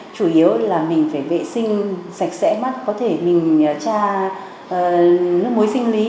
chủ yếu là mình phải vệ sinh sạch sẽ mắt có thể mình cha nước mối sinh lý